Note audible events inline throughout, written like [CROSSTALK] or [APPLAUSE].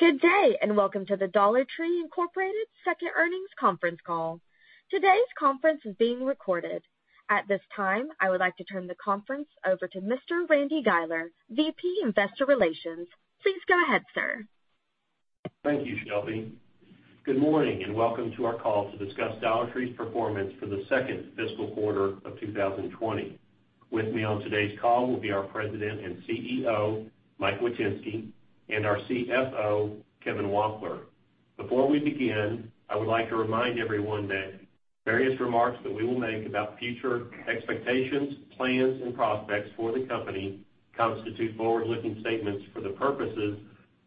Good day, and welcome to the Dollar Tree, Inc. second earnings conference call. Today's conference is being recorded. At this time, I would like to turn the conference over to Mr. Randy Guiler, VP, Investor Relations. Please go ahead, sir. Thank you, Shelby. Good morning, and welcome to our call to discuss Dollar Tree's performance for the second fiscal quarter of 2020. With me on today's call will be our President and CEO, Mike Witynski, and our CFO, Kevin Wampler. Before we begin, I would like to remind everyone that various remarks that we will make about future expectations, plans, and prospects for the company constitute forward-looking statements for the purposes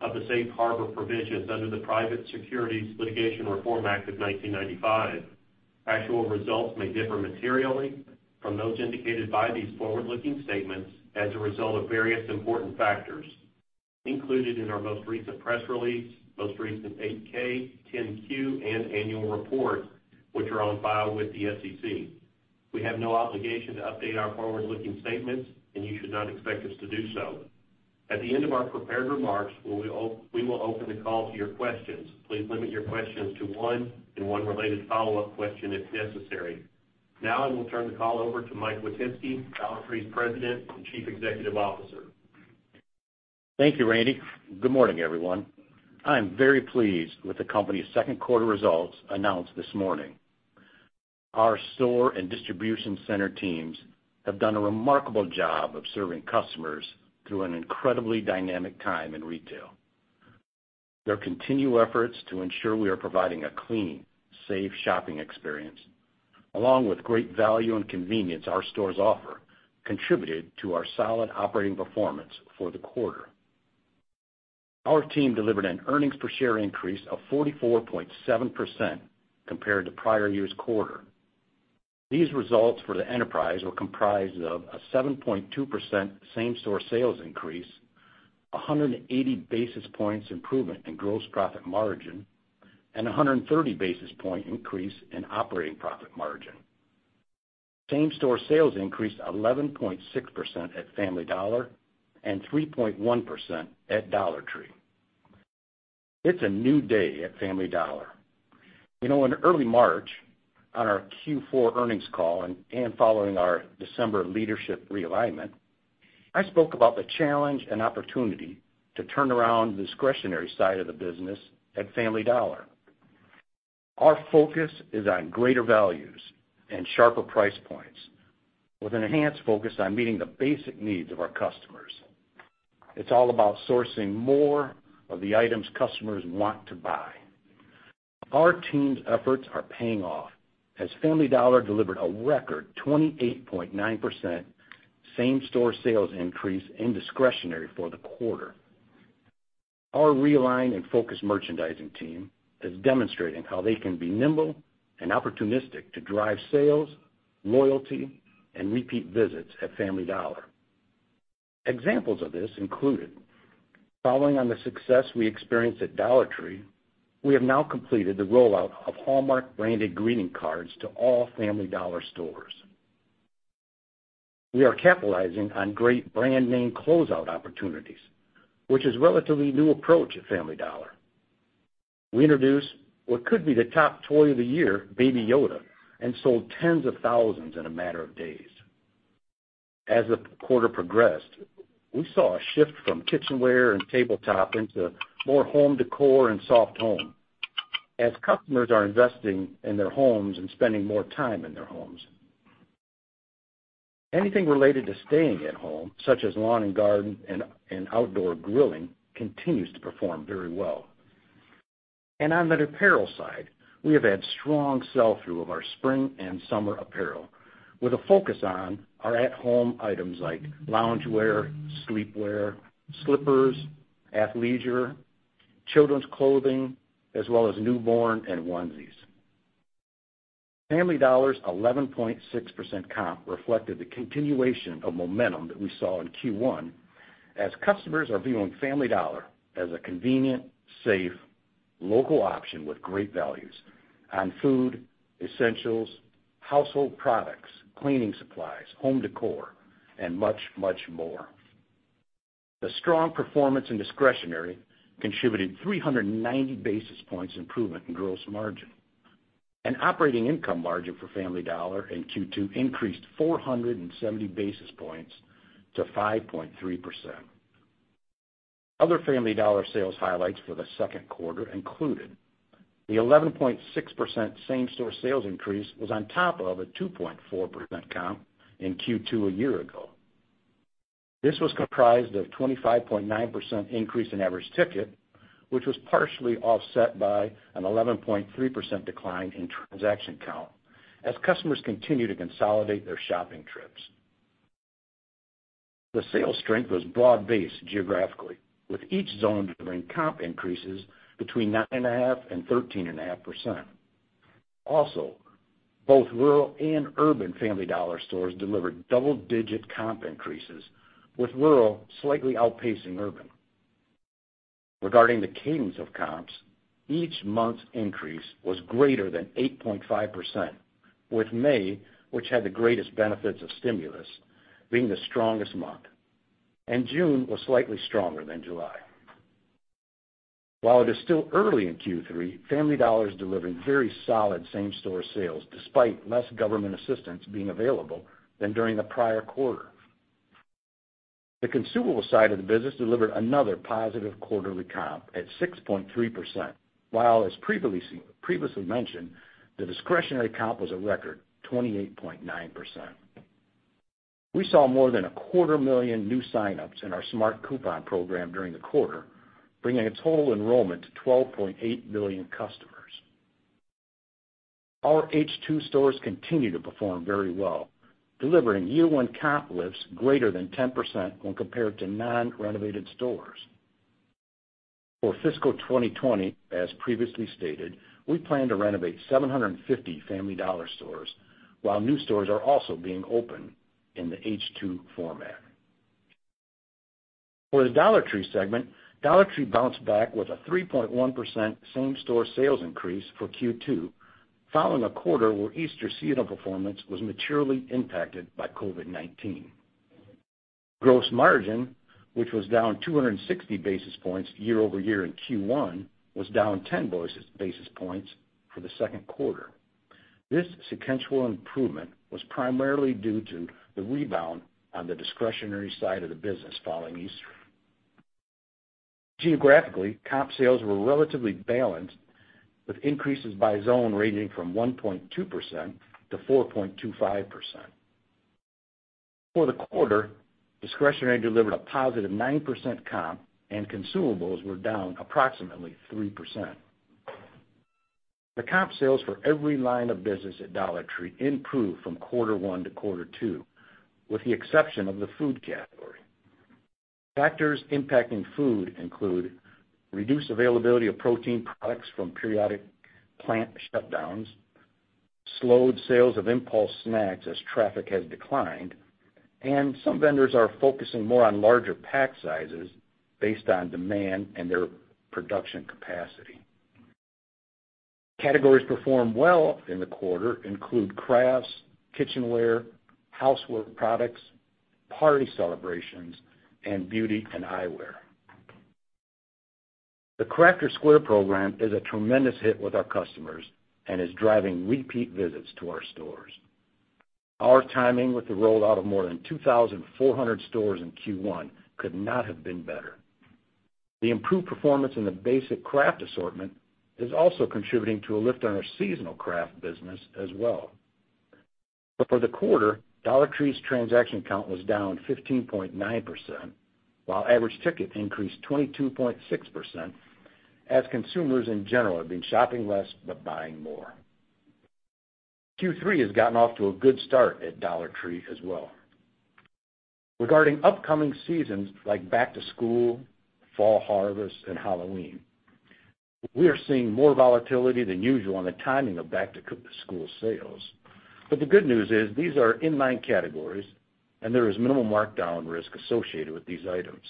of the safe harbor provisions under the Private Securities Litigation Reform Act of 1995. Actual results may differ materially from those indicated by these forward-looking statements as a result of various important factors included in our most recent press release, most recent 8-K, 10-Q, and annual report, which are on file with the SEC. We have no obligation to update our forward-looking statements, and you should not expect us to do so. At the end of our prepared remarks, we will open the call to your questions. Please limit your questions to one and one related follow-up question if necessary. Now I will turn the call over to Mike Witynski, Dollar Tree's President and Chief Executive Officer. Thank you, Randy. Good morning, everyone. I am very pleased with the company's second quarter results announced this morning. Our store and distribution center teams have done a remarkable job of serving customers through an incredibly dynamic time in retail. Their continued efforts to ensure we are providing a clean, safe shopping experience, along with great value and convenience our stores offer, contributed to our solid operating performance for the quarter. Our team delivered an earnings per share increase of 44.7% compared to prior year's quarter. These results for the enterprise were comprised of a 7.2% same-store sales increase, 180 basis points improvement in gross profit margin, and 130 basis point increase in operating profit margin. Same-store sales increased 11.6% at Family Dollar and 3.1% at Dollar Tree. It's a new day at Family Dollar. In early March, on our Q4 earnings call and following our December leadership realignment, I spoke about the challenge and opportunity to turn around the discretionary side of the business at Family Dollar. Our focus is on greater values and sharper price points with an enhanced focus on meeting the basic needs of our customers. It's all about sourcing more of the items customers want to buy. Our team's efforts are paying off as Family Dollar delivered a record 28.9% same-store sales increase in discretionary for the quarter. Our realigned and focused merchandising team is demonstrating how they can be nimble and opportunistic to drive sales, loyalty, and repeat visits at Family Dollar. Examples of this included, following on the success we experienced at Dollar Tree, we have now completed the rollout of Hallmark-branded greeting cards to all Family Dollar stores. We are capitalizing on great brand name closeout opportunities, which is a relatively new approach at Family Dollar. We introduced what could be the top toy of the year, Baby Yoda, and sold tens of thousands in a matter of days. As the quarter progressed, we saw a shift from kitchenware and tabletop into more Home Décor and Soft Home as customers are investing in their homes and spending more time in their homes. Anything related to staying at home, such as lawn and garden and outdoor grilling, continues to perform very well. On the apparel side, we have had strong sell-through of our spring and summer apparel with a focus on our at-home items like loungewear, sleepwear, slippers, athleisure, children's clothing, as well as newborn and onesies. Family Dollar's 11.6% comp reflected the continuation of momentum that we saw in Q1 as customers are viewing Family Dollar as a convenient, safe, local option with great values on Food, Essentials & Household Products, Cleaning Supplies, Home Décor, and much, much more. The strong performance in discretionary contributed 390 basis points improvement in gross margin. Operating income margin for Family Dollar in Q2 increased 470 basis points to 5.3%. Other Family Dollar sales highlights for the second quarter included the 11.6% same-store sales increase was on top of a 2.4% comp in Q2 a year ago. This was comprised of 25.9% increase in average ticket, which was partially offset by an 11.3% decline in transaction count as customers continue to consolidate their shopping trips. The sales strength was broad-based geographically, with each zone delivering comp increases between 9.5% and 13.5%. Also, both rural and urban Family Dollar stores delivered double-digit comp increases, with rural slightly outpacing urban. Regarding the cadence of comps, each month's increase was greater than 8.5%. With May, which had the greatest benefits of stimulus, being the strongest month and June was slightly stronger than July. While it is still early in Q3, Family Dollar is delivering very solid same-store sales, despite less government assistance being available than during the prior quarter. The consumable side of the business delivered another positive quarterly comp at 6.3%, while, as previously mentioned, the discretionary comp was a record 28.9%. We saw more than a 0.25 million new sign-ups in our Smart Coupons program during the quarter, bringing its whole enrollment to 12.8 million customers. Our H2 stores continue to perform very well, delivering year-one comp lifts greater than 10% when compared to non-renovated stores. For fiscal 2020, as previously stated, we plan to renovate 750 Family Dollar stores, while new stores are also being opened in the H2 format. For the Dollar Tree segment, Dollar Tree bounced back with a 3.1% same-store sales increase for Q2, following a quarter where Easter seasonal performance was materially impacted by COVID-19. Gross margin, which was down 260 basis points year-over-year in Q1, was down 10 basis points for the second quarter. This sequential improvement was primarily due to the rebound on the discretionary side of the business following Easter. Geographically, comp sales were relatively balanced, with increases by zone ranging from 1.2%-4.25%. For the quarter, discretionary delivered a positive 9% comp and consumables were down approximately 3%. The comp sales for every line of business at Dollar Tree improved from quarter one to quarter two, with the exception of the food category. Factors impacting food include reduced availability of protein products from periodic plant shutdowns, slowed sales of impulse snacks as traffic has declined, and some vendors are focusing more on larger pack sizes based on demand and their production capacity. Categories performed well in the quarter include Crafts, Kitchenware, Housework Products, Party Celebrations, and Beauty and Eyewear. The Crafter's Square program is a tremendous hit with our customers and is driving repeat visits to our stores. Our timing with the rollout of more than 2,400 stores in Q1 could not have been better. The improved performance in the basic craft assortment is also contributing to a lift on our seasonal craft business as well. For the quarter, Dollar Tree's transaction count was down 15.9%, while average ticket increased 22.6% as consumers in general have been shopping less but buying more. Q3 has gotten off to a good start at Dollar Tree as well. Regarding upcoming seasons like Back-to-School, fall harvest, and Halloween, we are seeing more volatility than usual on the timing of back-to-school sales. The good news is these are inline categories and there is minimal markdown risk associated with these items.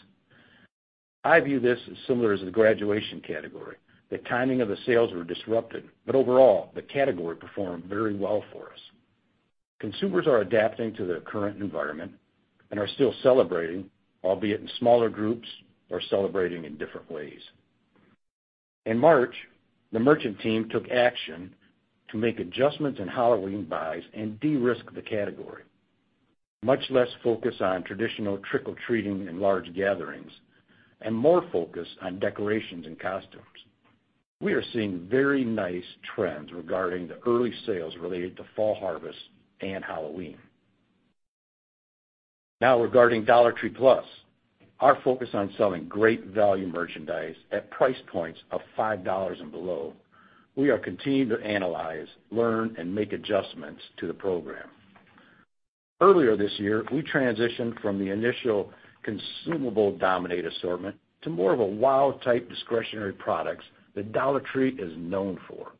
I view this as similar as the graduation category. The timing of the sales were disrupted, but overall, the category performed very well for us. Consumers are adapting to their current environment and are still celebrating, albeit in smaller groups or celebrating in different ways. In March, the merchant team took action to make adjustments in Halloween buys and de-risk the category, much less focus on traditional trick-or-treating and large gatherings, and more focus on decorations and costumes. We are seeing very nice trends regarding the early sales related to fall harvest and Halloween. Regarding Dollar Tree Plus, our focus on selling great value merchandise at price points of $5 and below, we are continuing to analyze, learn, and make adjustments to the program. Earlier this year, we transitioned from the initial consumable-dominated assortment to more of a wow type discretionary products that Dollar Tree is known for.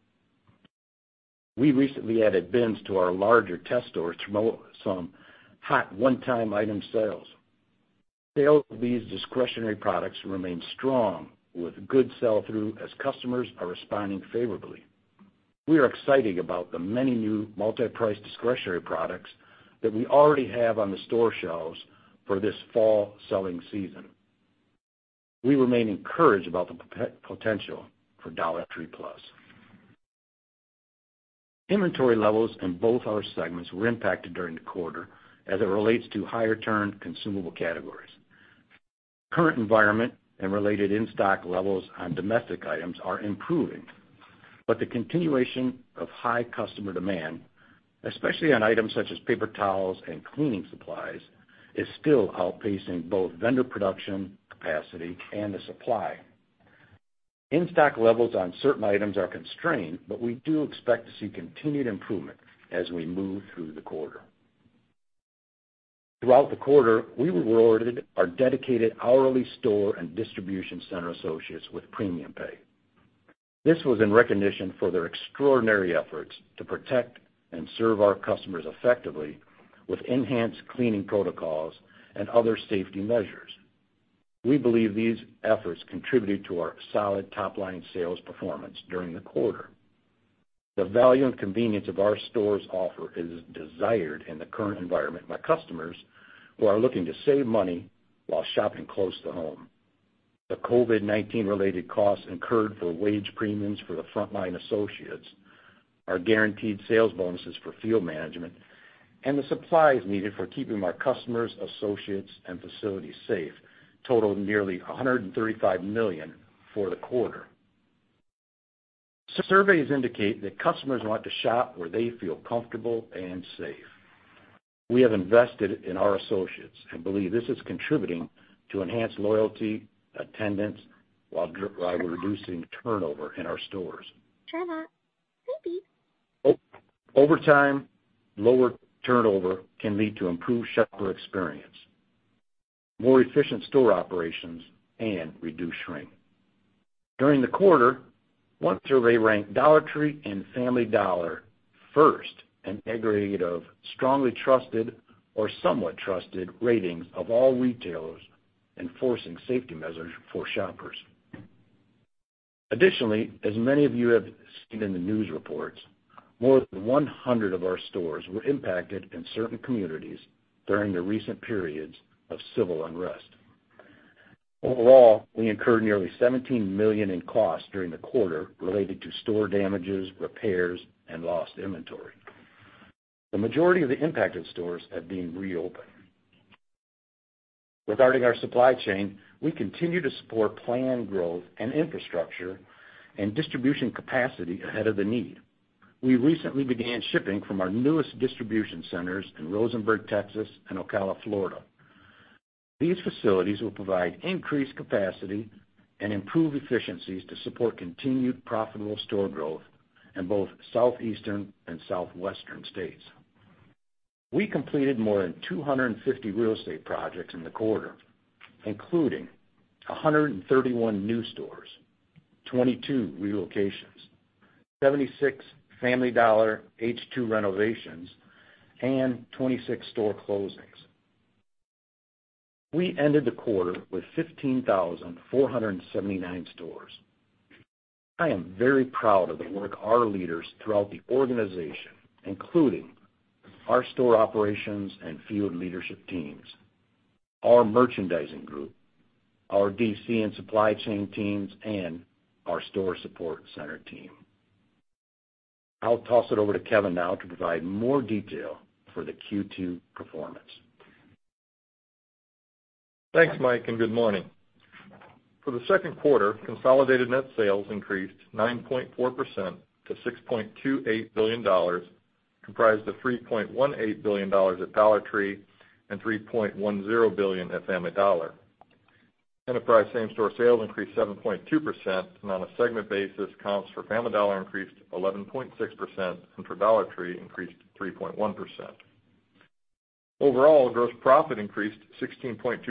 We recently added bins to our larger test stores to move some hot one-time item sales. Sales of these discretionary products remain strong with good sell-through as customers are responding favorably. We are excited about the many new multi-priced discretionary products that we already have on the store shelves for this fall selling season. We remain encouraged about the potential for Dollar Tree Plus. Inventory levels in both our segments were impacted during the quarter as it relates to higher turn consumable categories. Current environment and related in-stock levels on domestic items are improving, but the continuation of high customer demand, especially on items such as paper towels and Cleaning Supplies, is still outpacing both vendor production capacity and the supply. In-stock levels on certain items are constrained, but we do expect to see continued improvement as we move through the quarter. Throughout the quarter, we rewarded our dedicated hourly store and distribution center associates with premium pay. This was in recognition for their extraordinary efforts to protect and serve our customers effectively with enhanced cleaning protocols and other safety measures. We believe these efforts contributed to our solid top-line sales performance during the quarter. The value and convenience of our stores' offer is desired in the current environment by customers who are looking to save money while shopping close to home. The COVID-19 related costs incurred for wage premiums for the frontline associates, our guaranteed sales bonuses for field management, and the supplies needed for keeping our customers, associates, and facilities safe totaled nearly $135 million for the quarter. Surveys indicate that customers want to shop where they feel comfortable and safe. We have invested in our associates and believe this is contributing to enhanced loyalty, attendance, while reducing turnover in our stores. Over time, lower turnover can lead to improved shopper experience, more efficient store operations, and reduced shrink. During the quarter, one survey ranked Dollar Tree and Family Dollar first in aggregate of strongly trusted or somewhat trusted ratings of all retailers enforcing safety measures for shoppers. Additionally, as many of you have seen in the news reports, more than 100 of our stores were impacted in certain communities during the recent periods of civil unrest. Overall, we incurred nearly $17 million in costs during the quarter related to store damages, repairs, and lost inventory. The majority of the impacted stores have been reopened. Regarding our supply chain, we continue to support planned growth and infrastructure and distribution capacity ahead of the need. We recently began shipping from our newest distribution centers in Rosenberg, Texas, and Ocala, Florida. These facilities will provide increased capacity and improve efficiencies to support continued profitable store growth in both Southeastern and Southwestern states. We completed more than 250 real estate projects in the quarter, including 131 new stores, 22 relocations, 76 Family Dollar H2 renovations, and 26 store closings. We ended the quarter with 15,479 stores. I am very proud of the work our leaders throughout the organization, including our store operations and field leadership teams, our merchandising group, our DC and supply chain teams, and our store support center team. I'll toss it over to Kevin now to provide more detail for the Q2 performance. Thanks, Mike, and good morning. For the second quarter, consolidated net sales increased 9.4% to $6.28 billion, comprised of $3.18 billion at Dollar Tree and $3.10 billion at Family Dollar. Enterprise same-store sales increased 7.2%, and on a segment basis, comps for Family Dollar increased 11.6% and for Dollar Tree increased 3.1%. Overall, gross profit increased 16.2%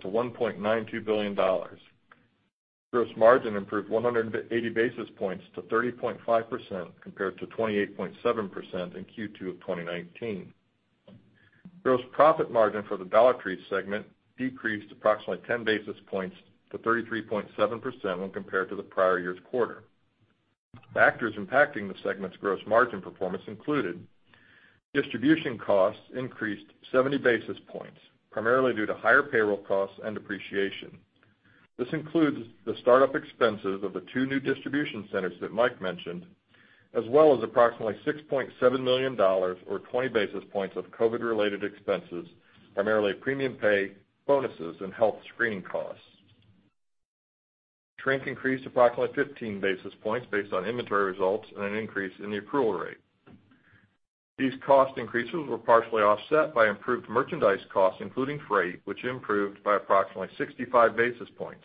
to $1.92 billion. Gross margin improved 180 basis points to 30.5%, compared to 28.7% in Q2 of 2019. Gross profit margin for the Dollar Tree segment decreased approximately 10 basis points to 33.7% when compared to the prior year's quarter. Factors impacting the segment's gross margin performance included distribution costs increased 70 basis points, primarily due to higher payroll costs and depreciation. This includes the startup expenses of the two new distribution centers that Mike mentioned, as well as approximately $6.7 million or 20 basis points of COVID-related expenses, primarily premium pay, bonuses, and health screening costs. Shrink increased approximately 15 basis points based on inventory results and an increase in the accrual rate. These cost increases were partially offset by improved merchandise costs, including freight, which improved by approximately 65 basis points.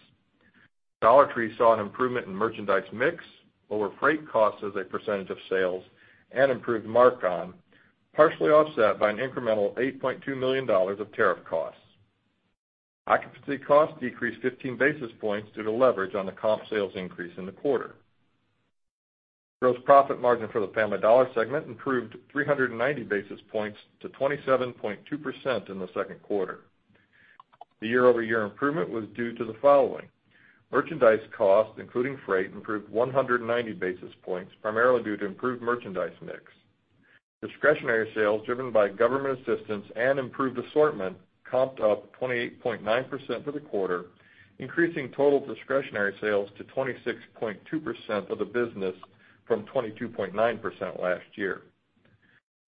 Dollar Tree saw an improvement in merchandise mix, lower freight costs as a percentage of sales, and improved mark-on, partially offset by an incremental $8.2 million of tariff costs. Occupancy costs decreased 15 basis points due to leverage on the comp sales increase in the quarter. Gross profit margin for the Family Dollar segment improved 390 basis points to 27.2% in the second quarter. The year-over-year improvement was due to the following. Merchandise costs, including freight, improved 190 basis points, primarily due to improved merchandise mix. Discretionary sales, driven by government assistance and improved assortment, comped up 28.9% for the quarter, increasing total discretionary sales to 26.2% of the business from 22.9% last year.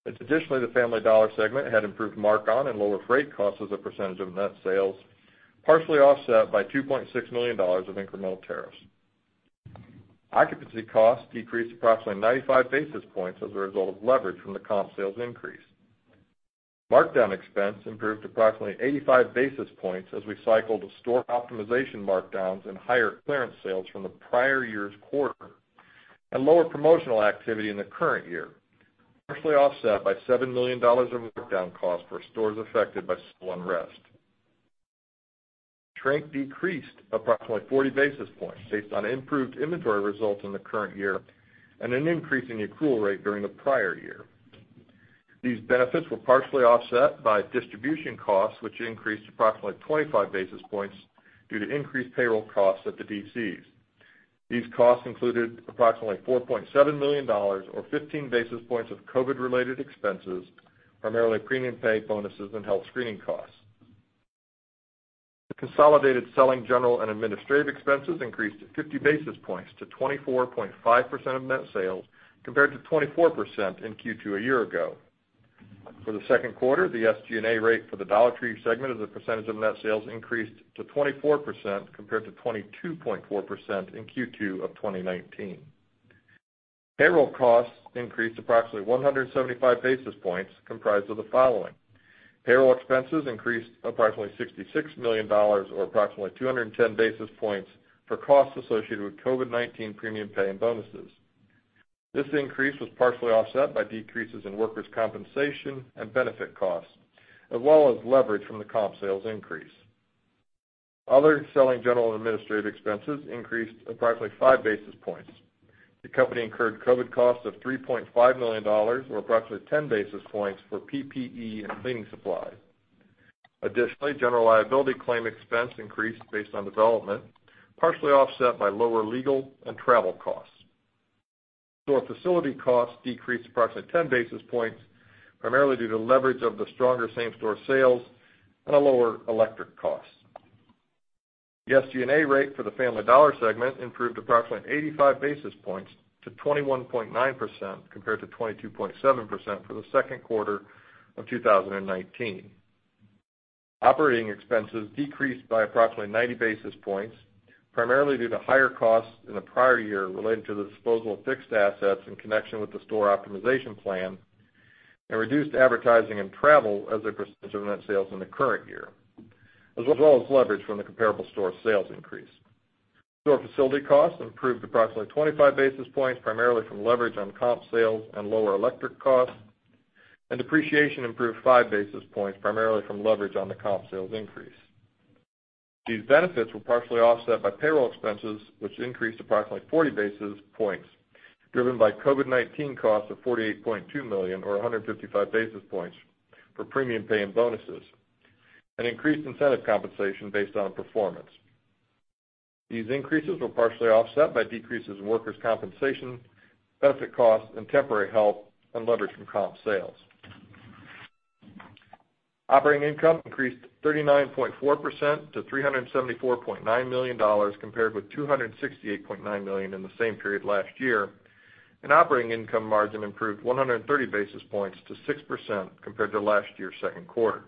Additionally, the Family Dollar segment had improved mark-on and lower freight costs as a percentage of net sales, partially offset by $2.6 million of incremental tariffs. Occupancy costs decreased approximately 95 basis points as a result of leverage from the comp sales increase. Markdown expense improved approximately 85 basis points as we cycled the store optimization markdowns and higher clearance sales from the prior year's quarter and lower promotional activity in the current year, partially offset by $7 million of markdown costs for stores affected by civil unrest. Shrink decreased approximately 40 basis points based on improved inventory results in the current year and an increase in the accrual rate during the prior year. These benefits were partially offset by distribution costs, which increased approximately 25 basis points due to increased payroll costs at the DCs. These costs included approximately $4.7 million, or 15 basis points of COVID-related expenses, primarily premium pay, bonuses, and health screening costs. Consolidated selling general and administrative expenses increased 50 basis points to 24.5% of net sales, compared to 24% in Q2 a year ago. For the second quarter, the SG&A rate for the Dollar Tree segment as a percentage of net sales increased to 24%, compared to 22.4% in Q2 of 2019. Payroll costs increased approximately 175 basis points, comprised of the following. Payroll expenses increased approximately $66 million, or approximately 210 basis points for costs associated with COVID-19 premium pay and bonuses. This increase was partially offset by decreases in workers' compensation and benefit costs, as well as leverage from the comp sales increase. Other selling general and administrative expenses increased approximately 5 basis points. The company incurred COVID costs of $3.5 million, or approximately 10 basis points, for PPE and cleaning supplies. Additionally, general liability claim expense increased based on development, partially offset by lower legal and travel costs. Store facility costs decreased approximately 10 basis points, primarily due to leverage of the stronger same-store sales and a lower electric cost. The SG&A rate for the Family Dollar segment improved approximately 85 basis points to 21.9%, compared to 22.7% for the second quarter of 2019. Operating expenses decreased by approximately 90 basis points, primarily due to higher costs in the prior year related to the disposal of fixed assets in connection with the store optimization plan and reduced advertising and travel as a percentage of net sales in the current year, as well as leverage from the comparable store sales increase. Store facility costs improved approximately 25 basis points, primarily from leverage on comp sales and lower electric costs, and depreciation improved 5 basis points, primarily from leverage on the comp sales increase. These benefits were partially offset by payroll expenses, which increased approximately 40 basis points, driven by COVID-19 costs of $48.2 million, or 155 basis points, for premium pay and bonuses, and increased incentive compensation based on performance. These increases were partially offset by decreases in workers' compensation, benefit costs and temporary help, and leverage from comp sales. Operating income increased 39.4% to $374.9 million, compared with $268.9 million in the same period last year, and operating income margin improved 130 basis points to 6% compared to last year's second quarter.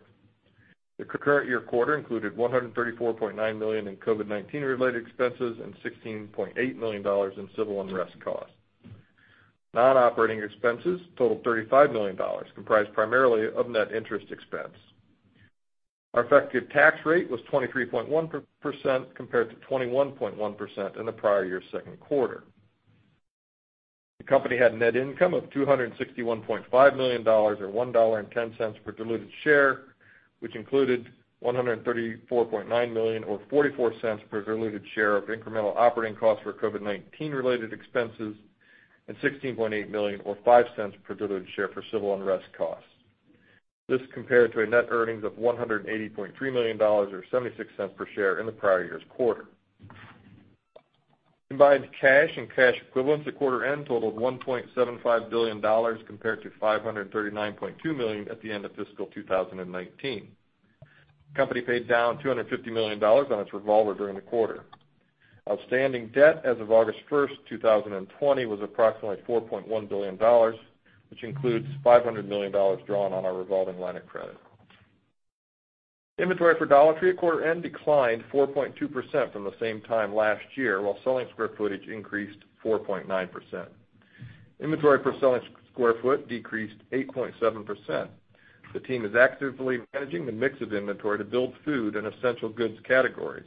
The current year quarter included $134.9 million in COVID-19-related expenses and $16.8 million in civil unrest costs. Non-operating expenses totaled $35 million, comprised primarily of net interest expense. Our effective tax rate was 23.1% compared to 21.1% in the prior year's second quarter. The company had net income of $261.5 million or $1.10 per diluted share, which included $134.9 million or $0.44 per diluted share of incremental operating costs for COVID-19-related expenses and $16.8 million or $0.05 per diluted share for civil unrest costs. This compared to a net earnings of $180.3 million or $0.76 per share in the prior year's quarter. Combined cash and cash equivalents at quarter end totaled $1.75 billion, compared to $539.2 million at the end of fiscal 2019. Company paid down $250 million on its revolver during the quarter. Outstanding debt as of August 1st, 2020, was approximately $4.1 billion, which includes $500 million drawn on our revolving line of credit. Inventory for Dollar Tree at quarter end declined 4.2% from the same time last year, while selling square footage increased 4.9%. Inventory per selling square foot decreased 8.7%. The team is actively managing the mix of inventory to build food and essential goods categories.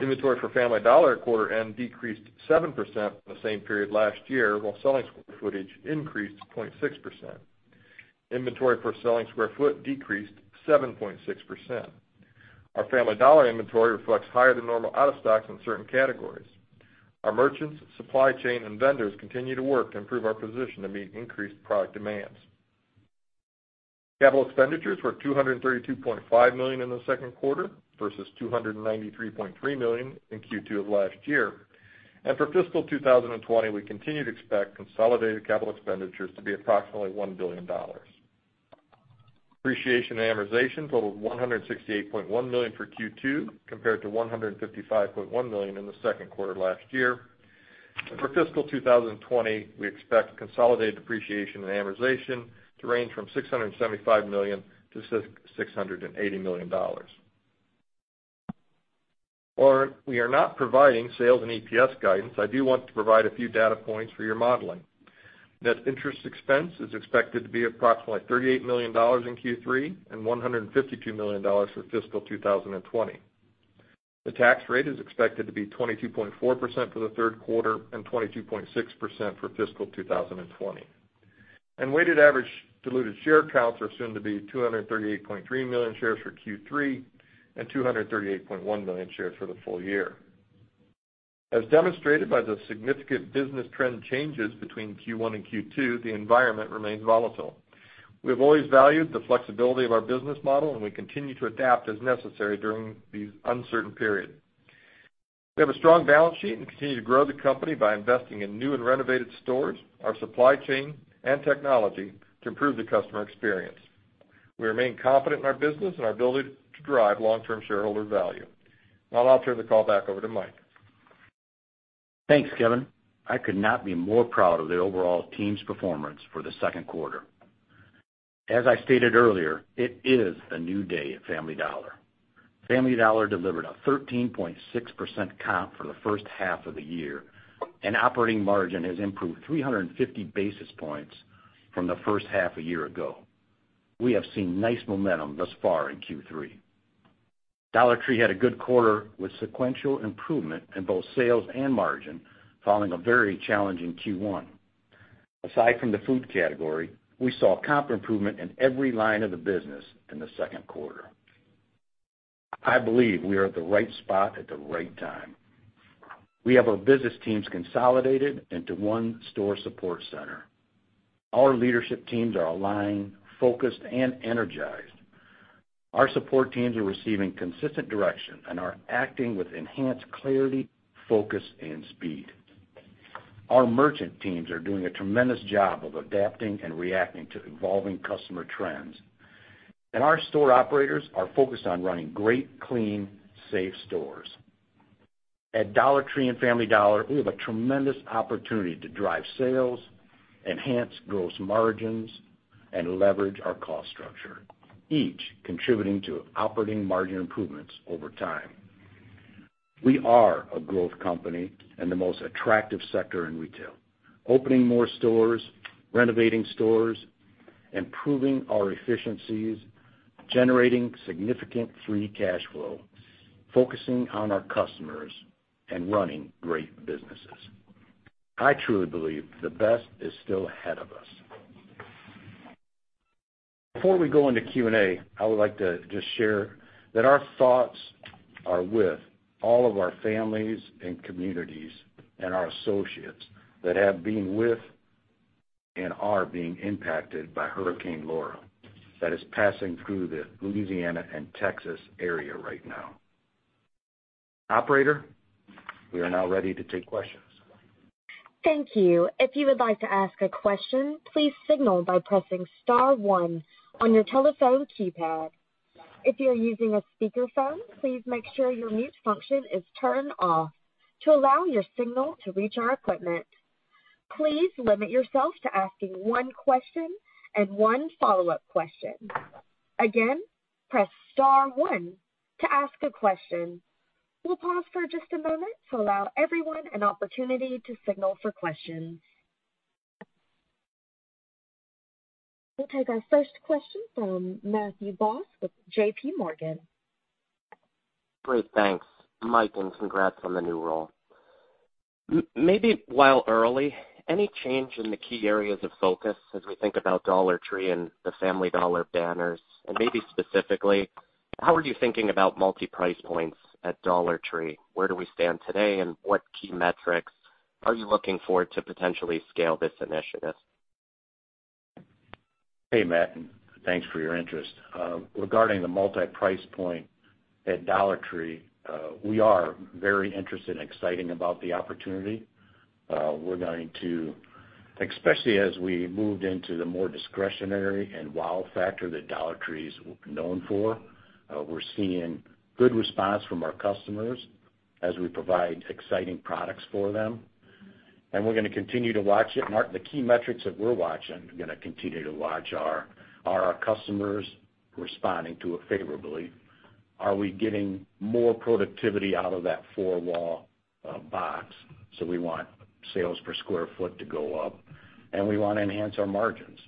Inventory for Family Dollar at quarter end decreased 7% from the same period last year, while selling square footage increased 26%. Inventory per selling square foot decreased 7.6%. Our Family Dollar inventory reflects higher than normal out of stocks in certain categories. Our merchants, supply chain, and vendors continue to work to improve our position to meet increased product demands. Capital expenditures were $232.5 million in the second quarter versus $293.3 million in Q2 of last year. For fiscal 2020, we continue to expect consolidated capital expenditures to be approximately $1 billion. Depreciation and amortization totaled $168.1 million for Q2, compared to $155.1 million in the second quarter last year. For fiscal 2020, we expect consolidated depreciation and amortization to range from $675 million-$680 million. While we are not providing sales and EPS guidance, I do want to provide a few data points for your modeling. Net interest expense is expected to be approximately $38 million in Q3 and $152 million for fiscal 2020. The tax rate is expected to be 22.4% for the third quarter and 22.6% for fiscal 2020. Weighted average diluted share counts are assumed to be 238.3 million shares for Q3 and 238.1 million shares for the full year. As demonstrated by the significant business trend changes between Q1 and Q2, the environment remains volatile. We have always valued the flexibility of our business model, and we continue to adapt as necessary during this uncertain period. We have a strong balance sheet and continue to grow the company by investing in new and renovated stores, our supply chain, and technology to improve the customer experience. We remain confident in our business and our ability to drive long-term shareholder value. Now I'll turn the call back over to Mike. Thanks, Kevin. I could not be more proud of the overall team's performance for the second quarter. As I stated earlier, it is a new day at Family Dollar. Family Dollar delivered a 13.6% comp for the first half of the year, and operating margin has improved 350 basis points from the first half a year ago. We have seen nice momentum thus far in Q3. Dollar Tree had a good quarter with sequential improvement in both sales and margin, following a very challenging Q1. Aside from the food category, we saw comp improvement in every line of the business in the second quarter. I believe we are at the right spot at the right time. We have our business teams consolidated into one store support center. Our leadership teams are aligned, focused, and energized. Our support teams are receiving consistent direction and are acting with enhanced clarity, focus, and speed. Our merchant teams are doing a tremendous job of adapting and reacting to evolving customer trends. Our store operators are focused on running great, clean, safe stores. At Dollar Tree and Family Dollar, we have a tremendous opportunity to drive sales, enhance gross margins, and leverage our cost structure, each contributing to operating margin improvements over time. We are a growth company in the most attractive sector in retail. Opening more stores, renovating stores, improving our efficiencies, generating significant free cash flow, focusing on our customers, and running great businesses. I truly believe the best is still ahead of us. Before we go into Q&A, I would like to just share that our thoughts are with all of our families and communities and our associates that have been with and are being impacted by Hurricane Laura, that is passing through the Louisiana and Texas area right now. Operator, we are now ready to take questions. Thank you. If you would like to ask a question, please signal by pressing star one on your telephone keypad. If you are using a speakerphone, please make sure your mute function is turned off to allow your signal to reach our equipment. Please limit yourself to asking one question and one follow up question. Again, press star one to ask a question. We'll pause for just a moment to allow everyone an opportunity to signal for questions. We'll take our first question from Matthew Boss with JPMorgan. Great. Thanks, Mike and congrats on the new role. Maybe while early, any change in the key areas of focus as we think about Dollar Tree and the Family Dollar banners? Maybe specifically, how are you thinking about multi-price points at Dollar Tree? Where do we stand today, and what key metrics are you looking for to potentially scale this initiative? Hey, Matt, and thanks for your interest. Regarding the multi-price point at Dollar Tree, we are very interested and excited about the opportunity. Especially as we moved into the more discretionary and wow factor that Dollar Tree's known for, we're seeing good response from our customers as we provide exciting products for them. We're going to continue to watch it. Matt, the key metrics that we're watching, we're going to continue to watch are our customers responding to it favorably? Are we getting more productivity out of that four-wall box? We want sales per square foot to go up, and we want to enhance our margins.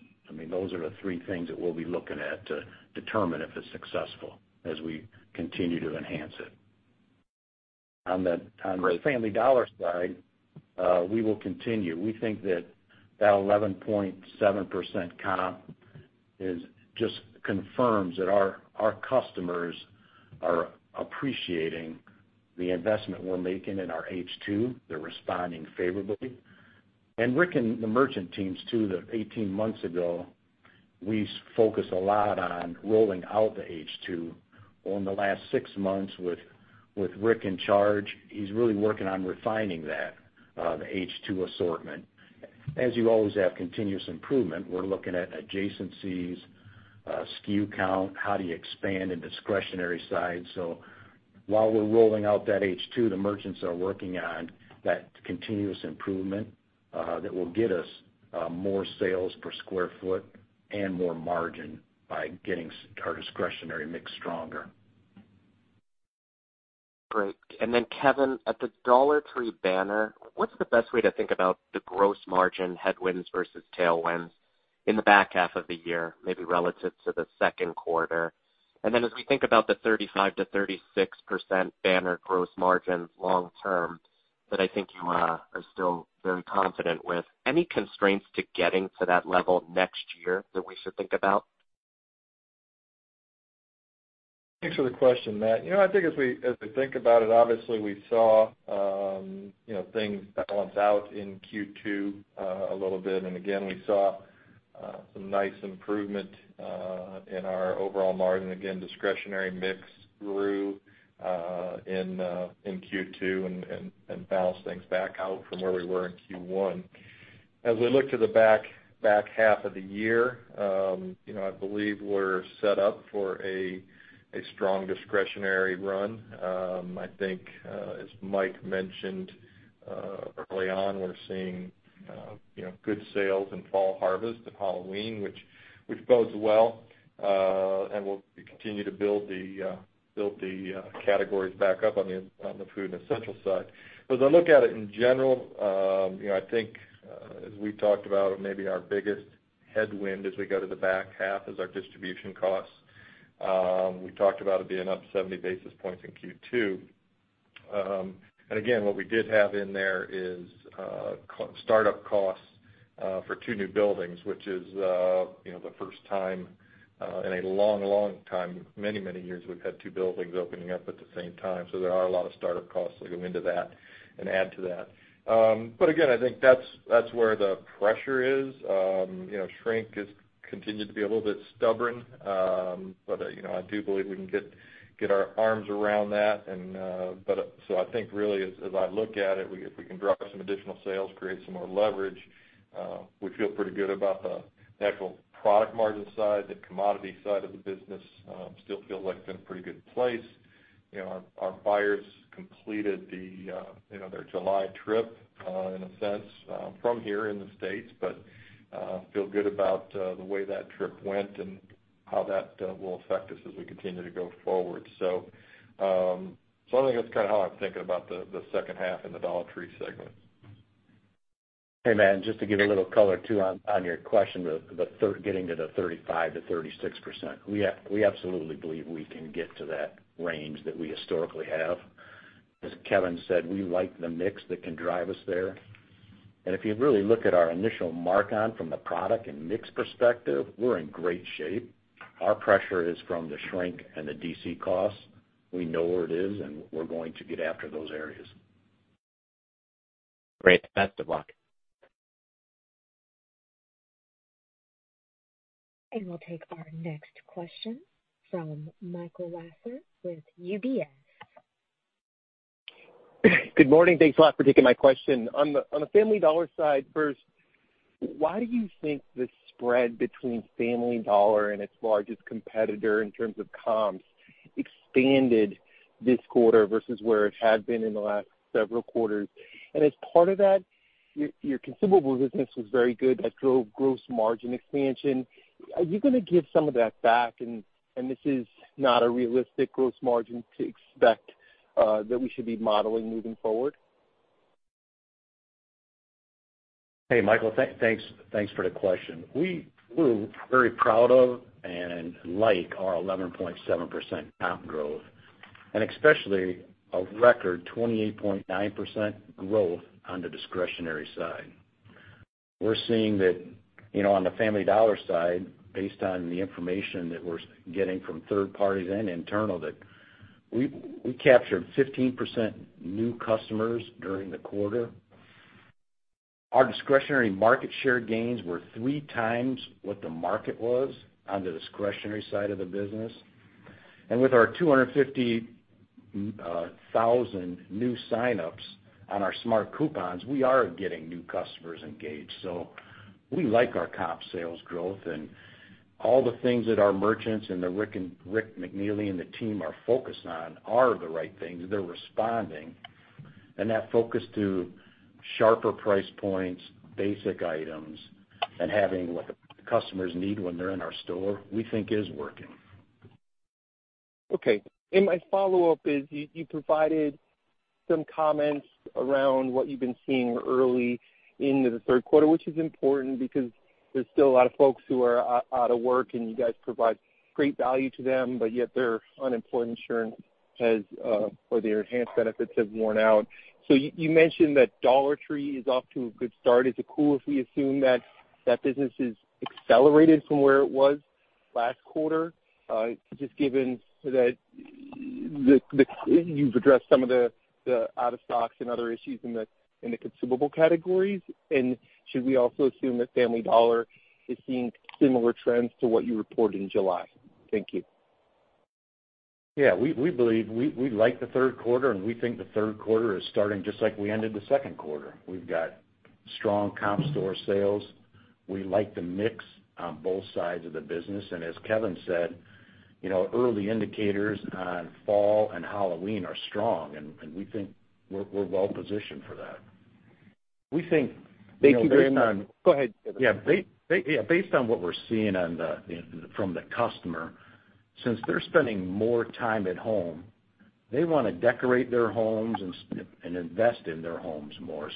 Those are the three things that we'll be looking at to determine if it's successful as we continue to enhance it. On the Family Dollar side, we will continue. We think that 11.7% comp just confirms that our customers are appreciating the investment we're making in our H2. They're responding favorably. Rick and the merchant teams, too, that 18 months ago, we focused a lot on rolling out the H2. Well, in the last six months, with Rick in charge, he's really working on refining that, the H2 assortment. As you always have continuous improvement, we're looking at adjacencies, SKU count, how do you expand the discretionary side. While we're rolling out that H2, the merchants are working on that continuous improvement that will get us more sales per square foot and more margin by getting our discretionary mix stronger. Great. Then Kevin, at the Dollar Tree banner, what's the best way to think about the gross margin headwinds versus tailwinds in the back half of the year, maybe relative to the second quarter? As we think about the 35%-36% banner gross margin long term, that I think you are still very confident with, any constraints to getting to that level next year that we should think about? Thanks for the question, Matt. I think as we think about it, obviously we saw things balance out in Q2 a little bit. Again, we saw some nice improvement in our overall margin. Again, discretionary mix grew in Q2 and balanced things back out from where we were in Q1. As we look to the back half of the year, I believe we're set up for a strong discretionary run. I think, as Mike mentioned early on, we're seeing good sales in fall harvest and Halloween, which bodes well, and we'll continue to build the categories back up on the food and essential side. As I look at it in general, I think as we talked about maybe our biggest headwind as we go to the back half is our distribution costs. We talked about it being up 70 basis points in Q2. Again, what we did have in there is startup costs for two new buildings, which is the first time in a long time, many years, we've had two buildings opening up at the same time. There are a lot of startup costs that go into that and add to that. Again, I think that's where the pressure is. Shrink has continued to be a little bit stubborn. I do believe we can get our arms around that. I think really as I look at it, if we can drive some additional sales, create some more leverage, we feel pretty good about the actual product margin side, the commodity side of the business. Still feels like it's in a pretty good place. Our buyers completed their July trip, in a sense, from here in the States, but feel good about the way that trip went and how that will affect us as we continue to go forward. I think that's kind of how I'm thinking about the second half in the Dollar Tree segment. Hey, Matt, and just to give a little color too on your question to getting to the 35%-36%. We absolutely believe we can get to that range that we historically have. As Kevin said, we like the mix that can drive us there. If you really look at our initial mark on from the product and mix perspective, we're in great shape. Our pressure is from the shrink and the DC costs. We know where it is, and we're going to get after those areas. Great. Thanks, good luck. We'll take our next question from Michael Lasser with UBS. Good morning. Thanks a lot for taking my question. On the Family Dollar side first, why do you think the spread between Family Dollar and its largest competitor in terms of comps expanded this quarter versus where it had been in the last several quarters? as part of that, your consumable business was very good. That drove gross margin expansion. Are you going to give some of that back, and this is not a realistic gross margin to expect that we should be modeling moving forward? Hey, Michael. Thanks for the question. We're very proud of and like our 11.7% comp growth, and especially a record 28.9% growth on the discretionary side. We're seeing that on the Family Dollar side, based on the information that we're getting from third parties and internal, that we captured 15% new customers during the quarter. Our discretionary market share gains were 3x what the market was on the discretionary side of the business. With our 250,000 new sign-ups on our Smart Coupons, we are getting new customers engaged. We like our comp sales growth and all the things that our merchants and that Rick McNeely and the team are focused on are the right things. They're responding. That focus to sharper price points, basic items, and having what the customers need when they're in our store, we think is working. Okay. My follow-up is, you provided some comments around what you've been seeing early into the third quarter, which is important because there's still a lot of folks who are out of work, and you guys provide great value to them, but yet their unemployment insurance or their enhanced benefits have worn out. You mentioned that Dollar Tree is off to a good start. Is it cool if we assume that that business is accelerated from where it was last quarter, just given that you've addressed some of the out of stocks and other issues in the consumable categories? Should we also assume that Family Dollar is seeing similar trends to what you reported in July? Thank you. Yeah, we like the third quarter, and we think the third quarter is starting just like we ended the second quarter. We've got strong comp store sales. We like the mix on both sides of the business. as Kevin said, early indicators on fall and Halloween are strong, and we think we're well-positioned for that. We think based on- Thank you very much. Go ahead. Yeah. Based on what we're seeing from the customer, since they're spending more time at home, they want to decorate their homes and invest in their homes more.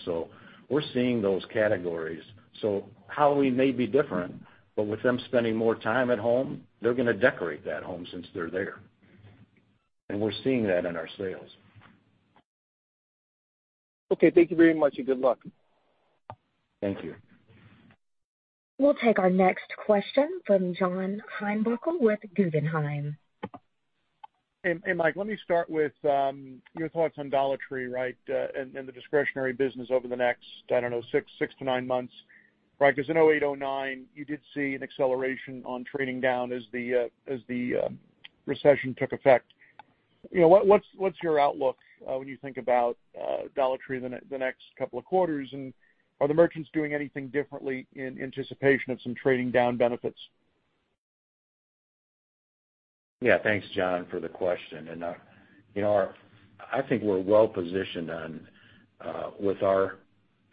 We're seeing those categories. Halloween may be different, but with them spending more time at home, they're going to decorate that home since they're there. We're seeing that in our sales. Okay, thank you very much, and good luck. Thank you. We'll take our next question from John Heinbockel with Guggenheim. Hey, Mike, let me start with your thoughts on Dollar Tree, and the discretionary business over the next, I don't know, six to nine months. Because in 2008, 2009, you did see an acceleration on trading down as the recession took effect. What's your outlook when you think about Dollar Tree the next couple of quarters, and are the merchants doing anything differently in anticipation of some trading down benefits? Yeah. Thanks, John, for the question. I think we're well-positioned on with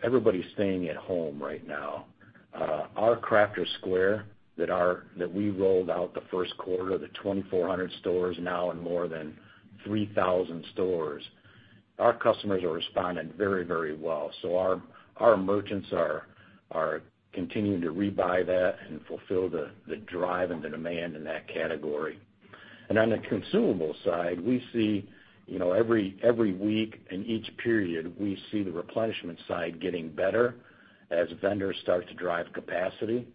everybody staying at home right now. Our Crafter's Square that we rolled out the first quarter, the 2,400 stores now in more than 3,000 stores, our customers are responding very well. Our merchants are continuing to rebuy that and fulfill the drive and the demand in that category. On the consumable side, we see every week in each period, we see the replenishment side getting better as vendors start to drive capacity.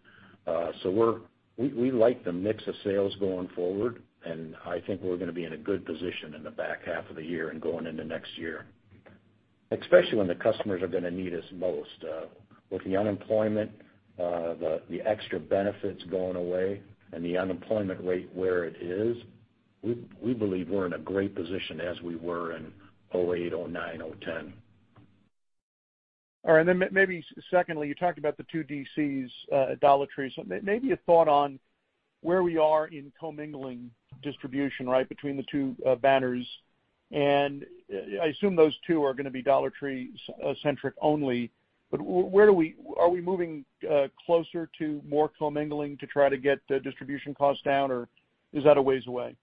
We like the mix of sales going forward, and I think we're going to be in a good position in the back half of the year and going into next year, especially when the customers are going to need us most. With the unemployment, the extra benefits going away and the unemployment rate where it is, we believe we're in a great position as we were in 2008, 2009, 2010. All right. Maybe secondly, you talked about the two DCs, Dollar Tree. Maybe a thought on where we are in co-mingling distribution between the two banners. I assume those two are going to be Dollar Tree centric only, but are we moving closer to more co-mingling to try to get the distribution costs down, or is that a ways away?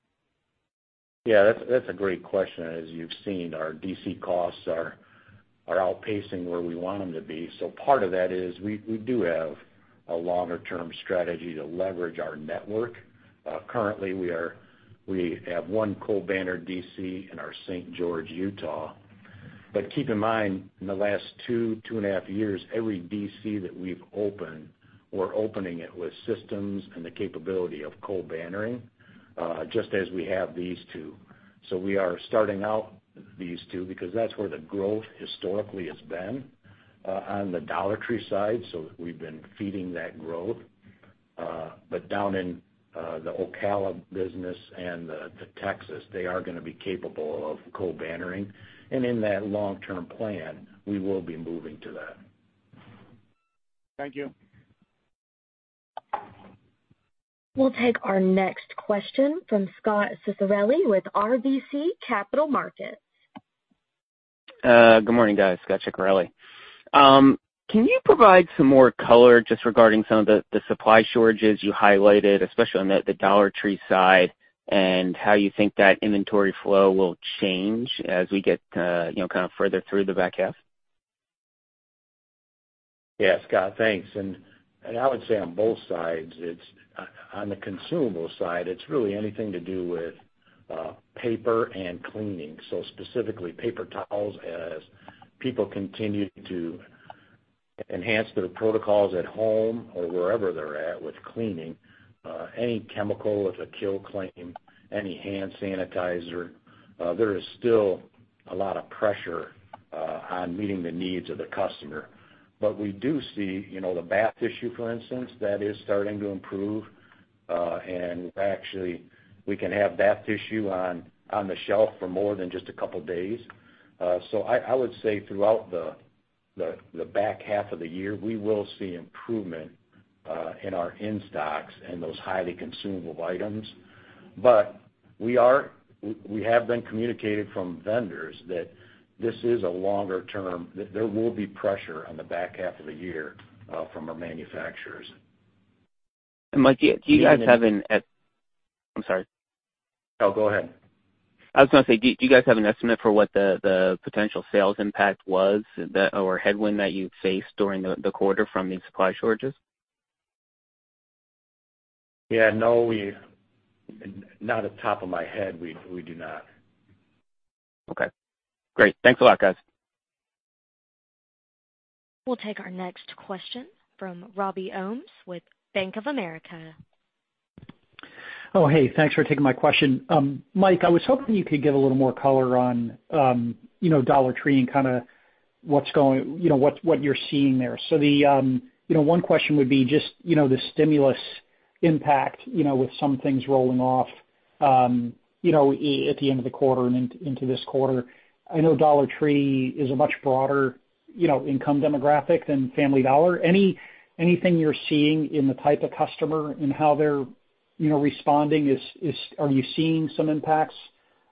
Yeah, that's a great question. As you've seen, our DC costs are outpacing where we want them to be. part of that is we do have a longer-term strategy to leverage our network. Currently, we have one co-banner DC in our St. George, Utah. Keep in mind, in the last two and a half years, every DC that we've opened, we're opening it with systems and the capability of co-bannering, just as we have these two. We are starting out these two because that's where the growth historically has been on the Dollar Tree side. we've been feeding that growth but down in the Ocala business and the Texas, they are going to be capable of co-bannering. in that long-term plan, we will be moving to that. Thank you. We'll take our next question from Scot Ciccarelli with RBC Capital Markets. Good morning, guys. Scot Ciccarelli. Can you provide some more color just regarding some of the supply shortages you highlighted, especially on the Dollar Tree side, and how you think that inventory flow will change as we get further through the back half? Yeah, Scot. Thanks. I would say on both sides. On the consumable side, it's really anything to do with Paper and Cleaning. Specifically paper towels as people continue to enhance their protocols at home or wherever they're at with Cleaning. Any chemical with a kill claim, any hand sanitizer, there is still a lot of pressure on meeting the needs of the customer. We do see the Bath Tissue, for instance, that is starting to improve. Actually, we can have Bath Tissue on the shelf for more than just a couple of days. I would say throughout the back half of the year, we will see improvement in our in-stocks and those highly consumable items. We have been communicated from vendors that this is a longer term, that there will be pressure on the back half of the year from our manufacturers. Mike, I'm sorry. No, go ahead. I was going to say, do you guys have an estimate for what the potential sales impact was, or headwind that you faced during the quarter from these supply shortages? Yeah. No, not at the top of my head. We do not. Okay, great. Thanks a lot, guys. We'll take our next question from Robby Ohmes with Bank of America. Oh, hey. Thanks for taking my question. Mike, I was hoping you could give a little more color on Dollar Tree and what you're seeing there. One question would be just the stimulus impact with some things rolling off at the end of the quarter and into this quarter. I know Dollar Tree is a much broader income demographic than Family Dollar. Anything you're seeing in the type of customer and how they're responding? Are you seeing some impacts